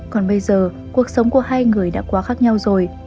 còn bây giờ cuộc sống của hai người đã quá khác nhau rồi